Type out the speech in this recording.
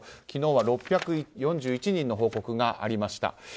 昨日は６４１人の報告がありました。